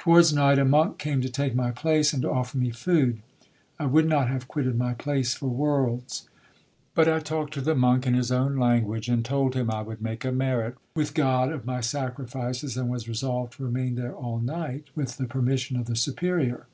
Towards night a monk came to take my place, and to offer me food. I would not have quitted my place for worlds; but I talked to the monk in his own language, and told him I would make a merit with God of my sacrifices, and was resolved to remain there all night, with the permission of the Superior.